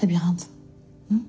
うん？